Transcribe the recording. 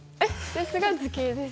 「ですが図形です」。